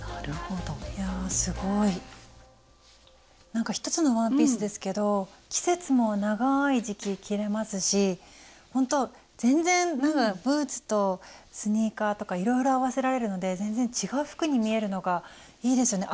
なんか１つのワンピースですけど季節も長い時期着れますしほんと全然ブーツとスニーカーとかいろいろ合わせられるので全然違う服に見えるのがいいですよね。